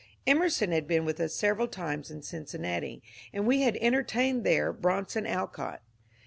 Emerson bad been with us several times in Cincinnati, and we bad entertained there Bronson Alcott.